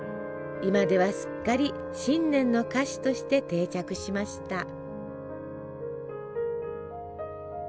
今ではすっかり新年の菓子として定着しました。